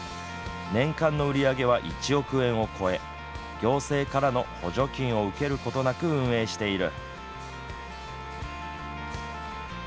年間の売り上げは１億円を超え行政からの補助金を受けることなく運営している。